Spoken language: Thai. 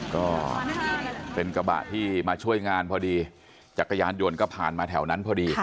ก็เป็นกระบะที่มาช่วยงานพอดีจักรยานยนต์ก็ผ่านมาแถวนั้นพอดี